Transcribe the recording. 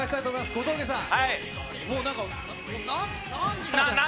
小峠さん。